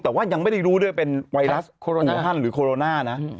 แต่ว่ายังไม่ได้รู้ด้วยเป็นไวรัสโคโรฮันหรือโคโรนานะ